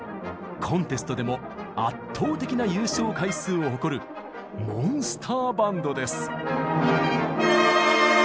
コンテストでも圧倒的な優勝回数を誇るモンスター・バンドです。